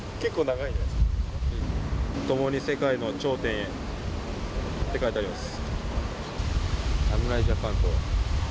共に世界の頂点へって書いてあります。